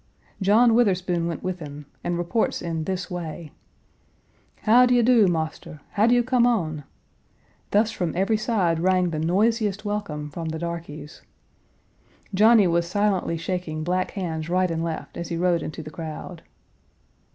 John Witherspoon went with him, and reports in this way: "How do you do, Marster! How you come on?" thus from every side rang the noisiest welcome from the darkies. Johnny was silently shaking black hands right and left as he rode into the crowd.